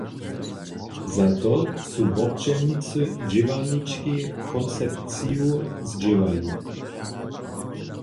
Za to su wobdźělnicy dźěłarnički koncepciju zdźěłali.